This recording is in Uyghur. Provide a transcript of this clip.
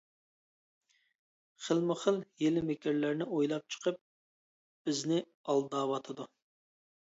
خىلمۇخىل ھىيلە-مىكىرلەرنى ئويلاپ چىقىپ بىزنى ئالداۋاتىدۇ.